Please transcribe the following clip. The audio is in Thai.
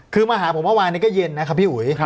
คือมาหาผมเมื่อวานนี้ก็เย็นนะครับพี่อุ๋ย